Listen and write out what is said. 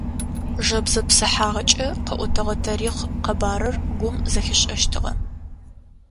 Жэбзэ псыхьагъэкӏэ къэӏотэгъэ тарихъ къэбарыр гум зэхишӏэщтыгъэ.